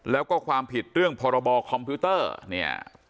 แล้วก็ความผิดเรื่องพรบคอมพิวเตอร์เนี่ย